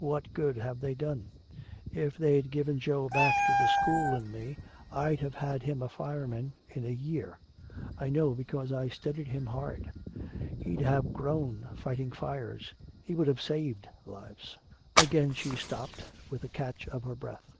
What good have they done? If they'd given Joe back to the school and me, I'd have had him a fireman in a year! I know, because I studied him hard! He'd have grown fighting fires, he would have saved lives!" Again she stopped, with a catch of her breath.